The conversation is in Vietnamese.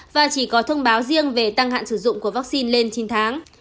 và chỉ có thông báo riêng về tăng hạn sử dụng của vaccine lên chín tháng